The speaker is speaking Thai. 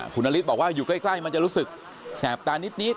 คุณนฤทธิบอกว่าอยู่ใกล้มันจะรู้สึกแสบตานิด